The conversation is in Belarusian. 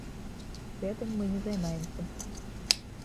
Гэтым мы не займаемся.